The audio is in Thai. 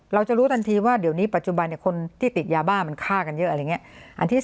เราจะรู้ทันทีว่าเดี๋ยวนี้ปัจจุบันคนที่ติดยาบ้ามันฆ่ากันเยอะอะไรอย่างนี้